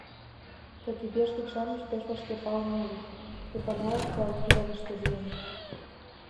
Кагебешник-шамыч пеш вашке пален нальыч: Эпанаев пленыште лийын.